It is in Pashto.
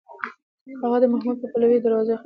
هغه د محمود په پلوۍ دروازه خلاصه کړه.